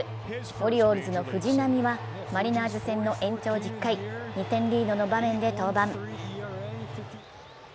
オリオールズの藤浪はマリナーズ戦の延長１０回、２点リードの場面で登板。